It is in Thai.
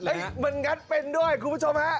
มันงัดเป็นด้วยคุณผู้ชมฮะ